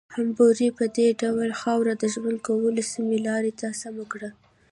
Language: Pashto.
حموربي په دې ډول خاوره د ژوند کولو سمې لارې ته سمه کړه.